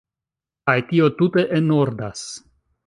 Kaj tio tute enordas.